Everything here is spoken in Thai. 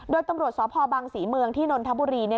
โดยตำรวจสพบังศรีเมืองที่นนทบุรี